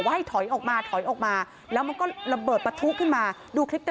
เริ่มหอดกำลาดมาเข้าแล้ว